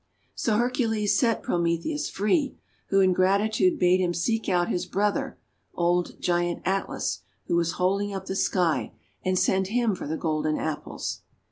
So Hercules set Prometheus free, who in gratitude bade him seek out his brother, old Giant Atlas, who was holding up the sky, and send him for the Golden Apples.